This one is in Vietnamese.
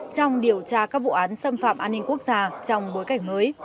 trong điều tra các vụ án xâm phạm an ninh quốc gia trong bối cảnh mới